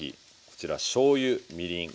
こちらしょうゆみりん